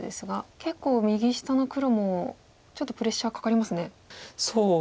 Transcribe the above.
結構右下の黒もちょっとプレッシャーかかりますね。